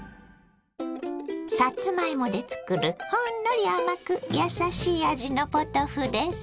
さつまいもで作るほんのり甘くやさしい味のポトフです。